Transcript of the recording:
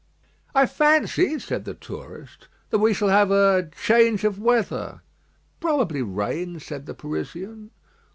"I fancy," said the tourist, "that we shall have a change of weather." "Probably rain," said the Parisian.